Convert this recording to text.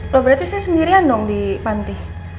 loh berarti saya sendirian dong di panti